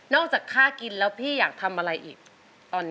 จากค่ากินแล้วพี่อยากทำอะไรอีกตอนนี้